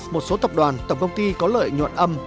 một số tập đoàn tổng công ty có lợi nhuận âm